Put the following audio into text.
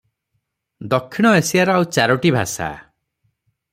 ଦକ୍ଷିଣ ଏସିଆର ଆଉ ଚାରୋଟି ଭାଷା ।